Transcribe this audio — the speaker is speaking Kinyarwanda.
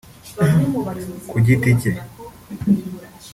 ku giti cye